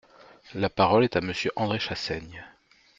La parole est à Monsieur André Chassaigne.